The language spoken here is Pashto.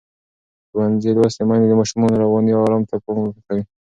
ښوونځې لوستې میندې د ماشومانو رواني آرام ته پام کوي.